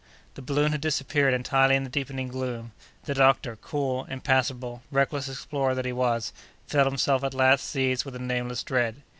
The balloon had disappeared entirely in the deepening gloom. The doctor, cool, impassible, reckless explorer that he was, felt himself at last seized with a nameless dread.